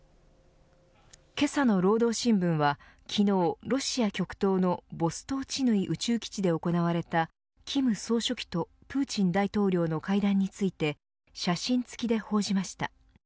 けさの労働新聞は昨日、ロシア極東のボストーチヌイ宇宙基地で行われた金総書記とプーチン大統領の会談について写真付きで報じました。